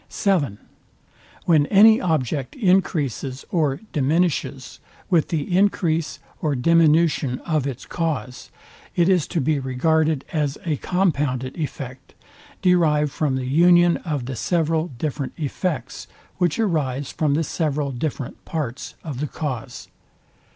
(7) When any object encreases or diminishes with the encrease or diminution of its cause, it is to be regarded as a compounded effect, derived from the union of the several different effects, which arise from the several different parts of the cause.